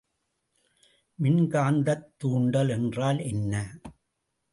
மின்காந்தத் தூண்டல் என்றால் என்ன?